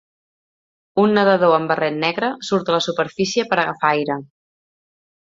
Un nedador amb barret negre surt a la superfície per agafar aire.